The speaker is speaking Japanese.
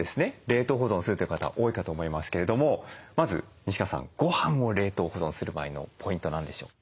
冷凍保存するという方多いかと思いますけれどもまず西川さんごはんを冷凍保存する場合のポイント何でしょう？